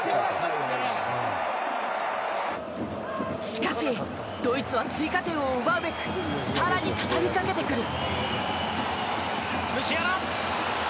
しかし、ドイツは追加点を奪うべく更に畳みかけてくる。